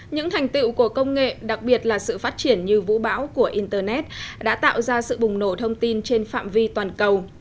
những thành tựu của công nghệ đặc biệt là sự phát triển như vũ bão của internet đã tạo ra sự bùng nổ thông tin trên phạm vi toàn cầu